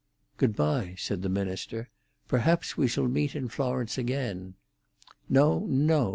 "Good bye," said the minister. "Perhaps we shall meet in Florence again." "No, no.